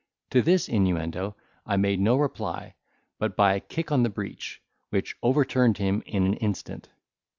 To this inuendo I made no reply but by a kick on the breech, which overturned him in an instant.